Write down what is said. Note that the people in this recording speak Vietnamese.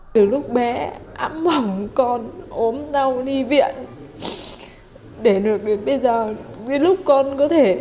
từ lúc bé ấm mỏng con ốm đau đi viện để được đến bây giờ đến lúc con có thể